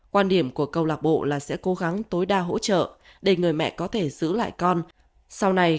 quan điểm của câu lạc bộ là sẽ cố gắng tối đa hỗ trợ để người mẹ có thể giữ lại con sau này